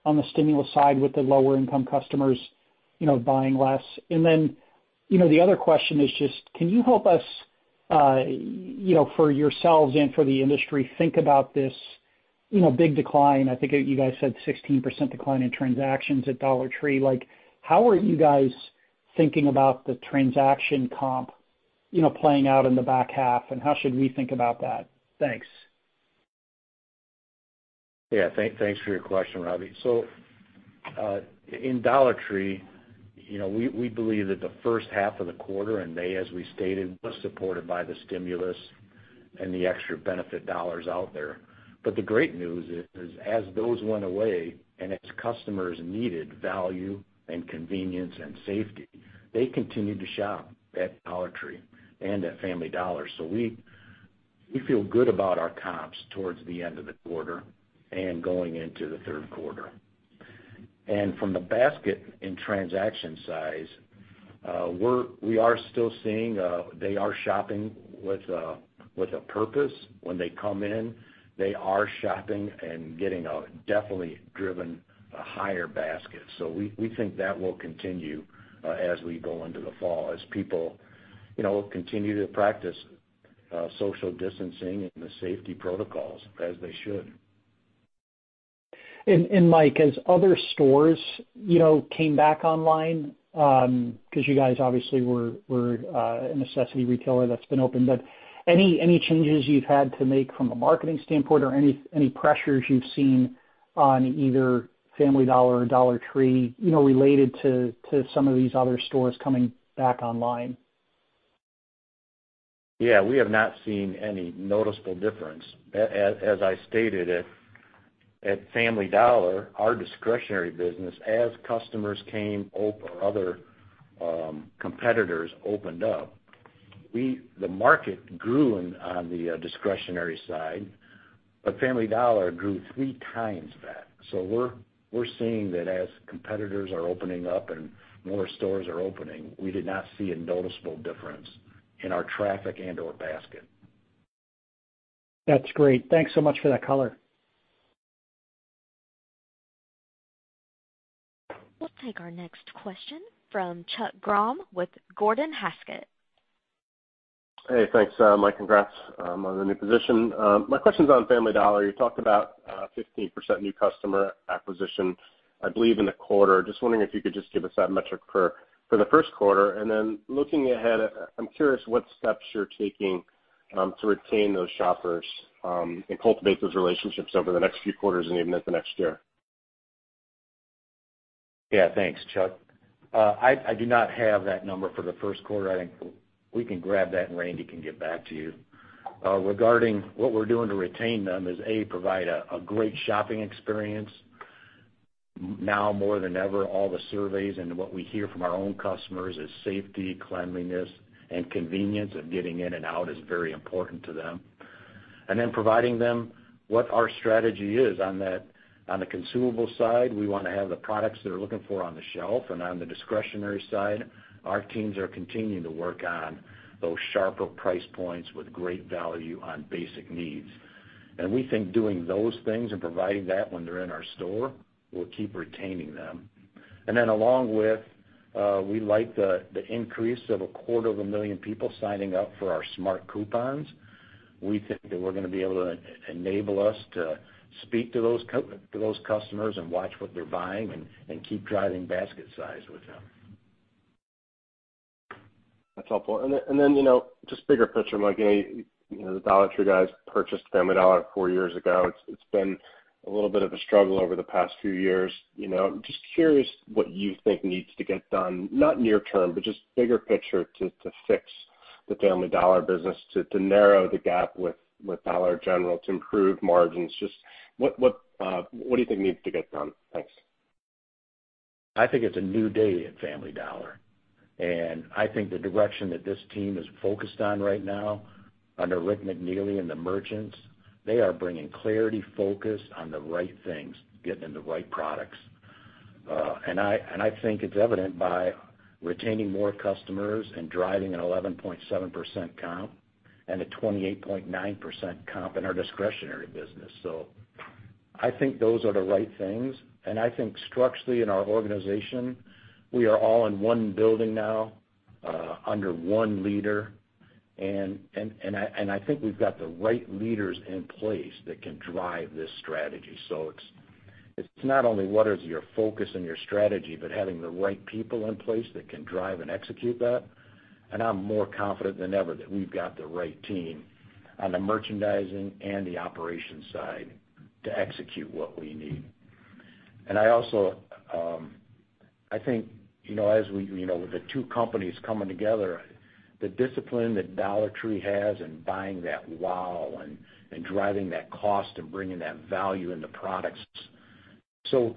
on the stimulus side with the lower income customers buying less? The other question is just, can you help us, for yourselves and for the industry, think about this big decline. I think you guys said 16% decline in transactions at Dollar Tree. How are you guys thinking about the transaction comp playing out in the back half, and how should we think about that? Thanks. Yeah. Thanks for your question, Robby. In Dollar Tree, we believe that the first half of the quarter in May, as we stated, was supported by the stimulus and the extra benefit dollars out there. The great news is, as those went away and as customers needed value and convenience and safety, they continued to shop at Dollar Tree and at Family Dollar. We feel good about our comps towards the end of the quarter and going into the third quarter. From the basket and transaction size, we are still seeing they are shopping with a purpose when they come in. They are shopping and getting a definitely driven higher basket. We think that will continue as we go into the fall, as people continue to practice social distancing and the safety protocols, as they should. Mike, as other stores came back online, because you guys obviously were a necessity retailer that's been open, but any changes you've had to make from a marketing standpoint or any pressures you've seen on either Family Dollar or Dollar Tree related to some of these other stores coming back online? Yeah, we have not seen any noticeable difference. As I stated, at Family Dollar, our discretionary business, as other competitors opened up, the market grew on the discretionary side, but Family Dollar grew 3x that. We're seeing that as competitors are opening up and more stores are opening, we did not see a noticeable difference in our traffic and/or basket. That's great. Thanks so much for that color. We'll take our next question from Chuck Grom with Gordon Haskett. Hey, thanks. Mike, congrats on the new position. My question's on Family Dollar. You talked about a 15% new customer acquisition, I believe, in the quarter. Just wondering if you could just give us that metric for the first quarter, and then looking ahead, I'm curious what steps you're taking to retain those shoppers and cultivate those relationships over the next few quarters and even into next year. Yeah. Thanks, Chuck. I do not have that number for the first quarter. I think we can grab that and Randy can get back to you. Regarding what we're doing to retain them is, A, provide a great shopping experience. Now more than ever, all the surveys and what we hear from our own customers is safety, cleanliness, and convenience of getting in and out is very important to them. Then providing them what our strategy is on the consumable side, we want to have the products they're looking for on the shelf. On the discretionary side, our teams are continuing to work on those sharper price points with great value on basic needs. We think doing those things and providing that when they're in our store will keep retaining them. Then along with, we like the increase of a quarter of a million people signing up for our Smart Coupons. We think that we're going to be able to enable us to speak to those customers and watch what they're buying and keep driving basket size with them. That's helpful. just bigger picture, Mike. The Dollar Tree guys purchased Family Dollar four years ago. It's been a little bit of a struggle over the past few years. Just curious what you think needs to get done, not near term, but just bigger picture to fix the Family Dollar business, to narrow the gap with Dollar General, to improve margins. Just what do you think needs to get done? Thanks. I think it's a new day at Family Dollar, and I think the direction that this team is focused on right now under Rick McNeely and the merchants, they are bringing clarity, focus on the right things, getting the right products. I think it's evident by retaining more customers and driving an 11.7% comp and a 28.9% comp in our discretionary business. I think those are the right things, and I think structurally in our organization, we are all in one building now, under one leader. I think we've got the right leaders in place that can drive this strategy. It's not only what is your focus and your strategy, but having the right people in place that can drive and execute that. I'm more confident than ever that we've got the right team on the merchandising and the operations side to execute what we need. I also think with the two companies coming together, the discipline that Dollar Tree has in buying that wow and driving that cost and bringing that value in the products so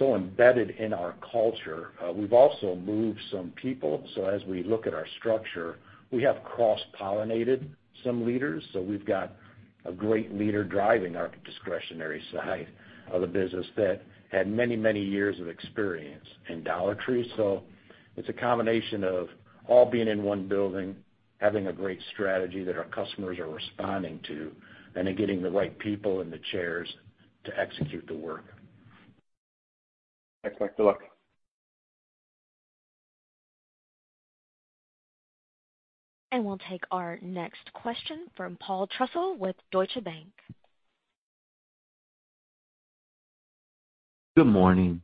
embedded in our culture. We've also moved some people. As we look at our structure, we have cross-pollinated some leaders. We've got a great leader driving our discretionary side of the business that had many years of experience in Dollar Tree. It's a combination of all being in one building, having a great strategy that our customers are responding to, and then getting the right people in the chairs to execute the work. Thanks, Mike. Good luck. We'll take our next question from Paul Trussell with Deutsche Bank. Good morning.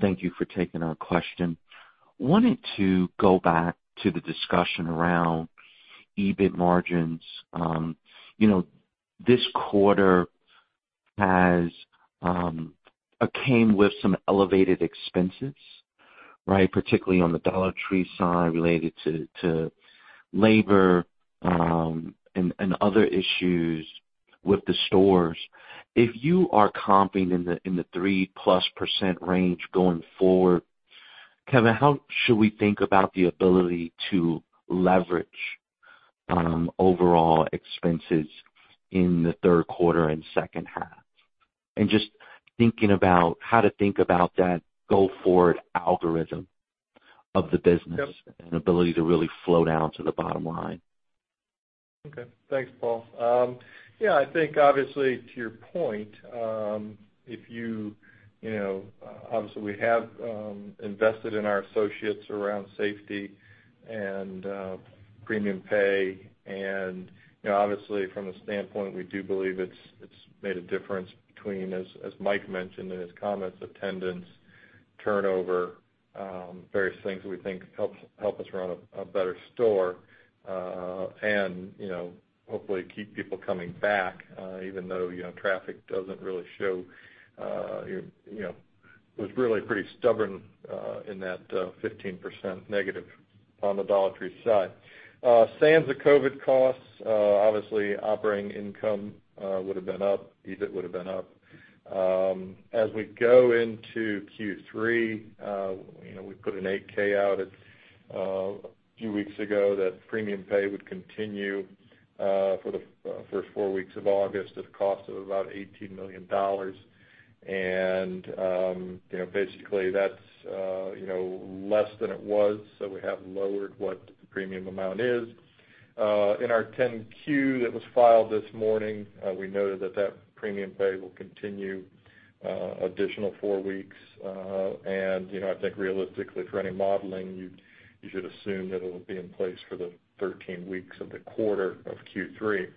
Thank you for taking our question. Wanted to go back to the discussion around EBIT margins. This quarter came with some elevated expenses, right? Particularly on the Dollar Tree side related to labor and other issues with the stores. If you are comping in the 3%+ range going forward, Kevin, how should we think about the ability to leverage overall expenses in the third quarter and second half? just thinking about how to think about that go-forward algorithm of the business- Yep. ability to really flow down to the bottom line. Okay. Thanks, Paul. Yeah, I think obviously to your point, obviously we have invested in our associates around safety and premium pay, and obviously from a standpoint, we do believe it's made a difference between, as Mike mentioned in his comments, attendance, turnover, various things that we think help us run a better store, and hopefully keep people coming back even though traffic was really pretty stubborn in that -15% on the Dollar Tree side. Sans the COVID costs, obviously operating income would've been up, EBIT would've been up. As we go into Q3, we put an 8-K out a few weeks ago that premium pay would continue for the first four weeks of August at a cost of about $18 million. Basically that's less than it was, so we have lowered what the premium amount is. In our 10-Q that was filed this morning, we noted that that premium pay will continue additional four weeks. I think realistically for any modeling, you should assume that it'll be in place for the 13 weeks of the quarter of Q3.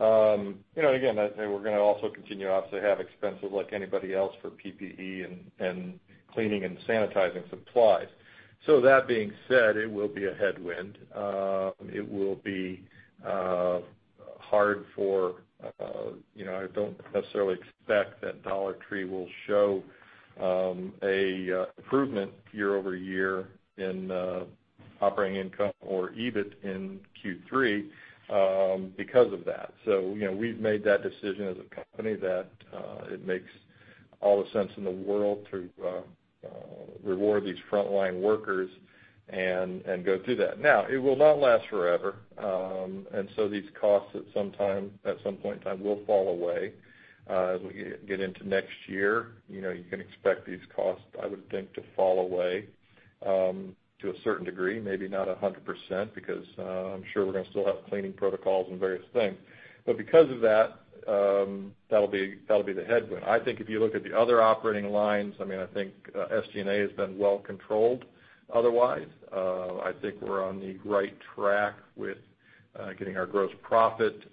Again, we're going to also continue to obviously have expenses like anybody else for PPE and Cleaning and sanitizing supplies. That being said, it will be a headwind. I don't necessarily expect that Dollar Tree will show an improvement year-over-year in operating income or EBIT in Q3 because of that. We've made that decision as a company that it makes all the sense in the world to reward these frontline workers and go through that. Now, it will not last forever, and so these costs at some point in time will fall away. As we get into next year, you can expect these costs, I would think, to fall away to a certain degree, maybe not 100% because I'm sure we're going to still have cleaning protocols and various things but because of that'll be the headwind. I think if you look at the other operating lines, I think SG&A has been well controlled. Otherwise. I think we're on the right track with getting our gross profit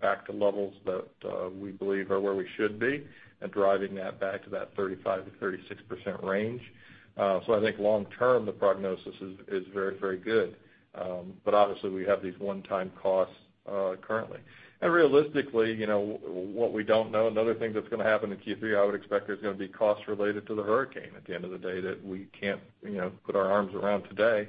back to levels that we believe are where we should be and driving that back to that 35%-36% range. I think long term, the prognosis is very good. Obviously we have these one-time costs currently. Realistically, what we don't know, another thing that's going to happen in Q3, I would expect there's going to be costs related to the hurricane at the end of the day that we can't put our arms around today.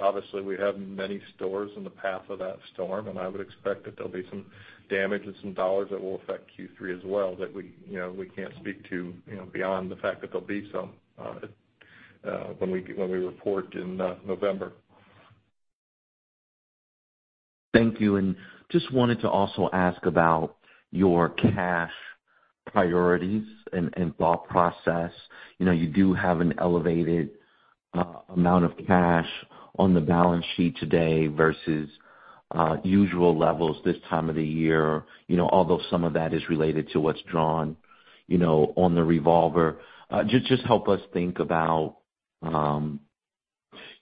Obviously we have many stores in the path of that storm, and I would expect that there'll be some damage and some dollars that will affect Q3 as well that we can't speak to beyond the fact that there'll be some when we report in November. Thank you, just wanted to also ask about your cash priorities and thought process. You do have an elevated amount of cash on the balance sheet today versus usual levels this time of the year. Although some of that is related to what's drawn on the revolver. Just help us think about how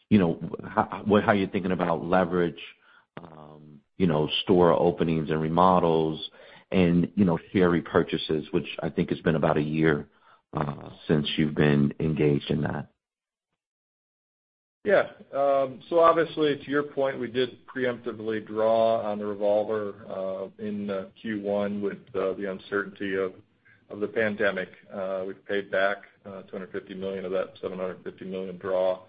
you're thinking about leverage, store openings and remodels and share repurchases, which I think has been about a year since you've been engaged in that. Yeah. Obviously to your point, we did preemptively draw on the revolver in Q1 with the uncertainty of the pandemic. We've paid back $250 million of that $750 million draw.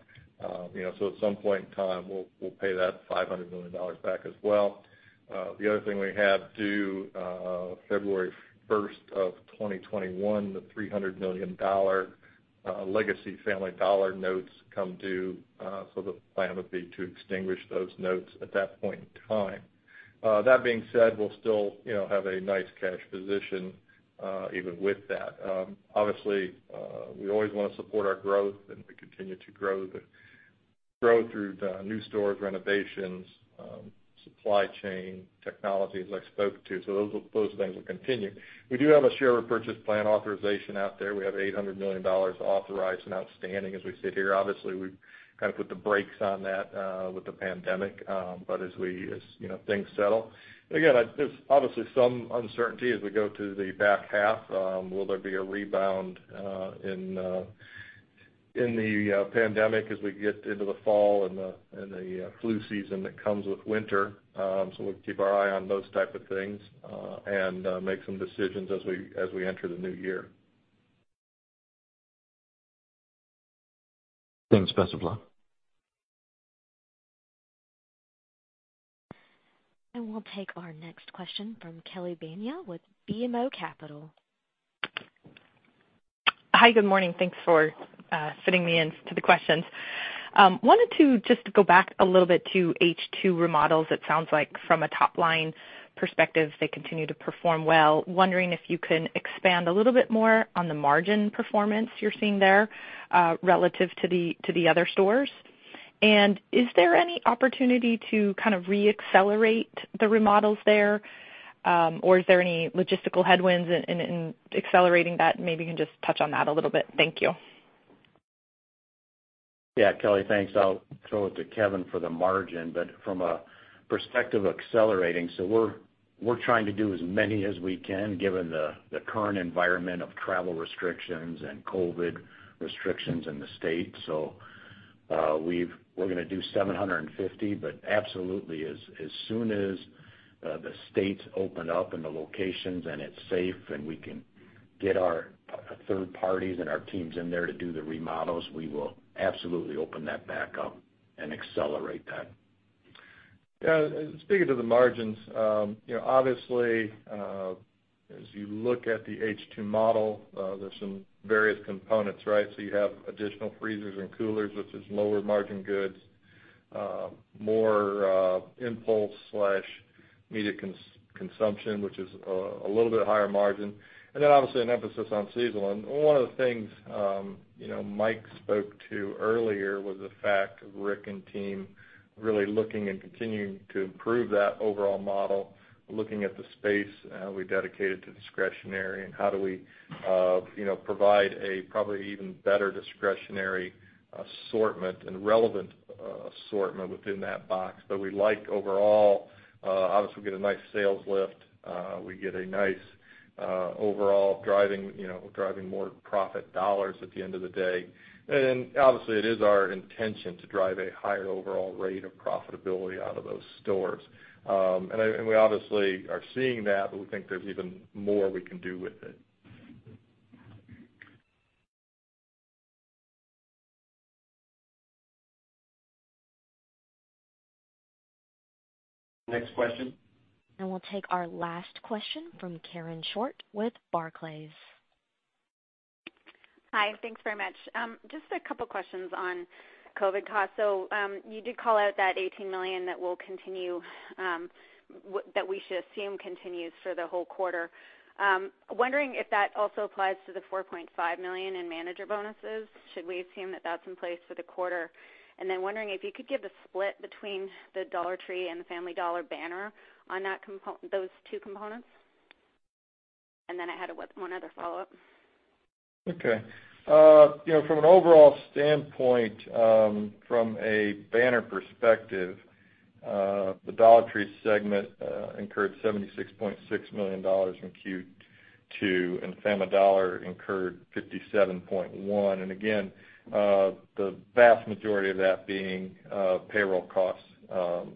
At some point in time we'll pay that $500 million back as well. The other thing we have due February 1st of 2021, the $300 million legacy Family Dollar notes come due. The plan would be to extinguish those notes at that point in time. That being said, we'll still have a nice cash position even with that. Obviously, we always want to support our growth, and we continue to grow through new stores, renovations, supply chain, technologies I've spoken to. Those things will continue. We do have a share repurchase plan authorization out there. We have $800 million authorized and outstanding as we sit here. Obviously, we've kind of put the brakes on that with the pandemic but as things settle. Again, there's obviously some uncertainty as we go to the back half. Will there be a rebound in the pandemic as we get into the fall and the flu season that comes with winter. We'll keep our eye on those type of things, and make some decisions as we enter the new year. Thanks. [INAUDIBLE] We'll take our next question from Kelly Bania with BMO Capital. Hi, good morning. Thanks for fitting me into the questions. Wanted to just go back a little bit to H2 remodels. It sounds like from a top-line perspective, they continue to perform well. Wondering if you can expand a little bit more on the margin performance you're seeing there, relative to the other stores. Is there any opportunity to kind of re-accelerate the remodels there? Is there any logistical headwinds in accelerating that? Maybe you can just touch on that a little bit. Thank you. Yeah, Kelly, thanks. I'll throw it to Kevin for the margin, but from a perspective of accelerating, so we're trying to do as many as we can given the current environment of travel restrictions and COVID restrictions in the state. We're going to do 750, but absolutely, as soon as the states open up and the locations and it's safe, and we can get our third parties and our teams in there to do the remodels, we will absolutely open that back up and accelerate that. Yeah, speaking to the margins. Obviously, as you look at the H2 model, there's some various components, right? You have additional freezers and coolers, which is lower margin goods. More impulse/immediate consumption, which is a little bit higher margin. Obviously an emphasis on seasonal. One of the things Mike spoke to earlier was the fact Rick and team really looking and continuing to improve that overall model, looking at the space we dedicated to discretionary, and how do we provide a probably even better discretionary assortment and relevant assortment within that box. We like overall, obviously we get a nice sales lift. We get a nice overall driving more profit dollars at the end of the day. Obviously it is our intention to drive a higher overall rate of profitability out of those stores. We obviously are seeing that, but we think there's even more we can do with it. Next question. We'll take our last question from Karen Short with Barclays. Hi, thanks very much. Just a couple of questions on COVID-19 costs. You did call out that $18 million that we should assume continues for the whole quarter. Wondering if that also applies to the $4.5 million in manager bonuses. Should we assume that that's in place for the quarter? Wondering if you could give the split between the Dollar Tree and the Family Dollar banner on those two components. I had one other follow-up. From an overall standpoint, from a banner perspective, the Dollar Tree segment incurred $76.6 million in Q2, and Family Dollar incurred $57.1 million. Again, the vast majority of that being payroll costs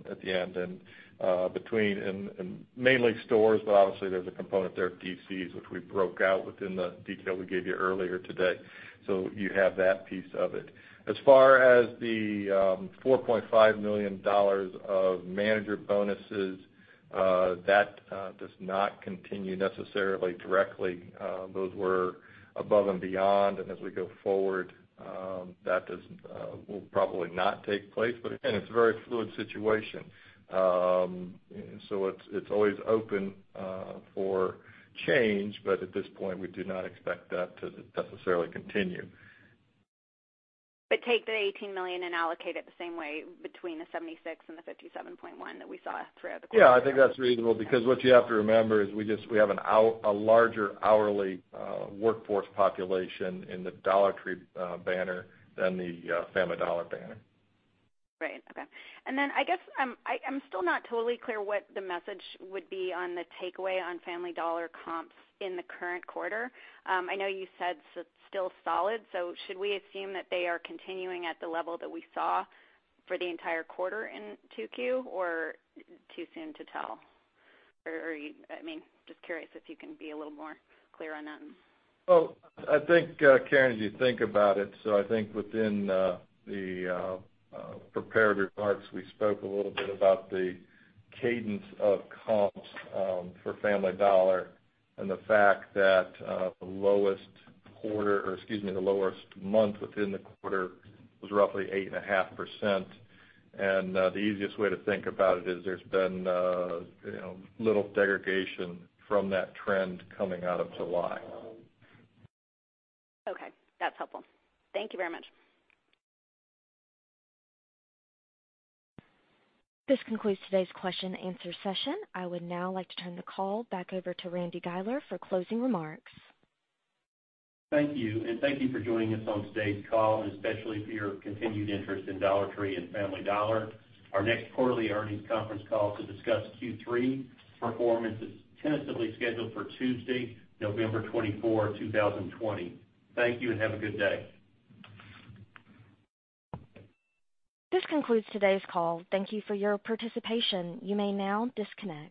at the end, and between, and mainly stores, but obviously there's a component there of DCs, which we broke out within the detail we gave you earlier today. You have that piece of it. As far as the $4.5 million of manager bonuses, that does not continue necessarily directly. Those were above and beyond. As we go forward, that will probably not take place. Again, it's a very fluid situation. It's always open for change. At this point, we do not expect that to necessarily continue. Take the $18 million and allocate it the same way between the $76 million and the $57.1 million that we saw throughout the quarter. Yeah, I think that's reasonable because what you have to remember is we have a larger hourly workforce population in the Dollar Tree banner than the Family Dollar banner. Right. Okay. I guess I'm still not totally clear what the message would be on the takeaway on Family Dollar comps in the current quarter. I know you said it's still solid. Should we assume that they are continuing at the level that we saw for the entire quarter in 2Q, or too soon to tell? Just curious if you can be a little more clear on that. Well, I think, Karen, as you think about it, so I think within the prepared remarks, we spoke a little bit about the cadence of comps for Family Dollar and the fact that the lowest quarter, or excuse me, the lowest month within the quarter was roughly 8.5%. The easiest way to think about it is there's been little degradation from that trend coming out of July. Okay. That's helpful. Thank you very much. This concludes today's question and answer session. I would now like to turn the call back over to Randy Guiler for closing remarks. Thank you, and thank you for joining us on today's call, and especially for your continued interest in Dollar Tree and Family Dollar. Our next quarterly earnings conference call to discuss Q3 performance is tentatively scheduled for Tuesday, November 24, 2020. Thank you and have a good day. This concludes today's call. Thank you for your participation. You may now disconnect.